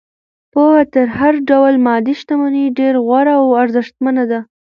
پوهه تر هر ډول مادي شتمنۍ ډېره غوره او ارزښتمنه ده.